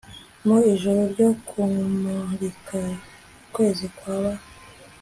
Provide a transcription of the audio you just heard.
mu ijoro ryo kumurika ukwezi kwaba